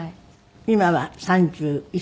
今は３１歳？